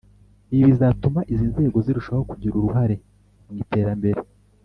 Ibi bizatuma izi Nzego zirushaho kugira uruhare mu iterambere